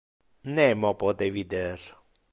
Nemo pote vider.